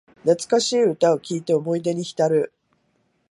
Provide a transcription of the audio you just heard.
懐かしい歌を聴いて思い出にひたる